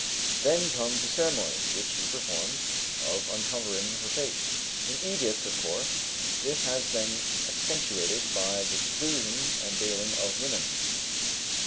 Then comes the ceremony, which he performs, of uncovering her face. In Egypt, of course, this has been accentuated by the seclusion and veiling of women.